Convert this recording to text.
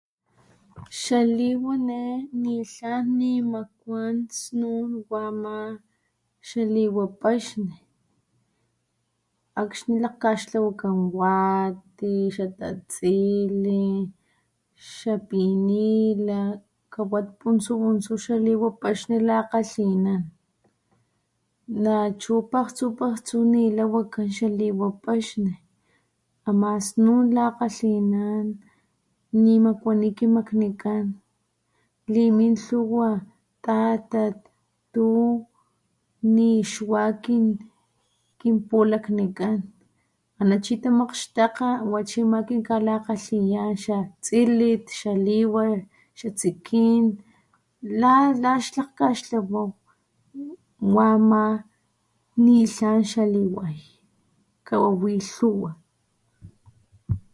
Xaliwa ne nitlan nimakuan snun wa ama xaliwa paxni akxni lakgkaxtlawakan wati, xatatsili xapinila kawat puntsu puntsu xaliwa paxni lakgalhinan nachu pajtsu pajtsu nila wakan xaliwa paxni ama snun lakgalhinan nimakuani kimaknikan limin lhuwa tatat tu nixwa kinpulaknikan ana chi tamakgaxtakga wachi ama kinkalakgalhiyan xatsilit xaliwa, tsikin laxlakgkaxtlawaw wa ama nitlan liway kawawi lhuwa.